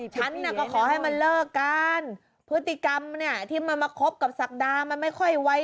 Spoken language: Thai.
ฉันน่ะก็ขอให้มันเลิกกันพฤติกรรมเนี่ยที่มันมาคบกับศักดามันไม่ค่อยไว